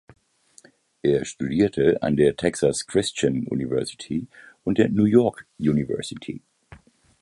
Er studierte an der Texas Christian University und der New York University.